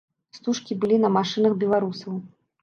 Стужкі былі на машынах беларусаў.